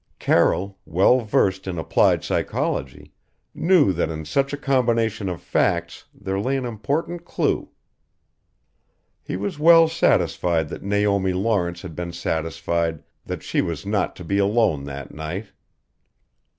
Carroll, well versed in applied psychology, knew that in such a combination of facts there lay an important clue. He was well satisfied that Naomi Lawrence had been satisfied that she was not to be alone that night!